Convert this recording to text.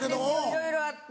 いろいろあって。